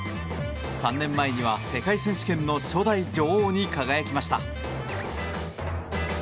３年前には世界選手権の初代女王に輝きました。